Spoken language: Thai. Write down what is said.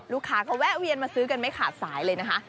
ลูกค้าก็แวะเวียนมาซื้อกันไม่ขาดสายเลยนะคะ